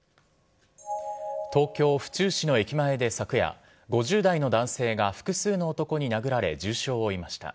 東京・府中市の駅前で昨夜、５０代の男性が複数の男に殴られ、重傷を負いました。